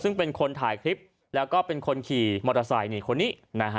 ซึ่งเป็นคนถ่ายคลิปแล้วก็เป็นคนขี่มอเตอร์ไซค์คนนี้นะฮะ